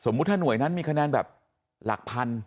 ถ้าหน่วยนั้นมีคะแนนแบบหลักพัน